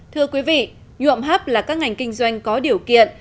thưa quý vị nhuộm hắp là các ngành kinh doanh có điều kiện